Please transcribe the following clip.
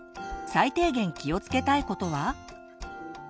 最低限気をつけたいことは？